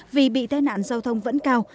vì bị tai nạn giao thông vẫn cao